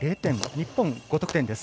日本は５得点です。